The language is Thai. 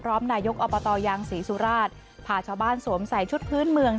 นายกอบตยางศรีสุราชพาชาวบ้านสวมใส่ชุดพื้นเมือง